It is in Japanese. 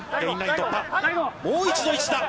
もう一度。